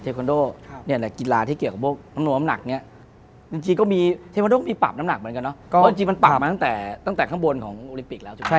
เทควันโดกกลายที่เกี่ยวกับน้ำหนักเนี้ยจริงก็มีปรับน้ำหนักเหมือนกันเนาะจริงมันเปิดมาตั้งแต่ข้างบนของอุลิปิกแล้วใช่ไหม